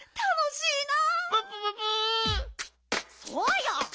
そうよ！